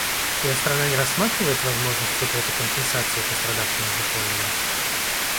Ее страна не рассматривает возможность выплаты компенсации пострадавшим в Японии?